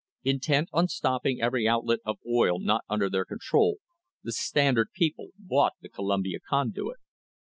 Intent on stopping every out let of oil not under their control the Standard people bought the Columbia Conduit.